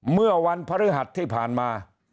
เมื่อวันพฤหัสที่ผ่านมา